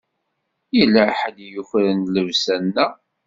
Yella ḥedd i yukren llebsa-nneɣ.